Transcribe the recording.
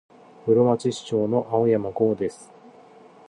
室蘭市長の青山剛です。